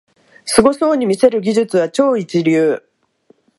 すごそうに見せる技術は超一流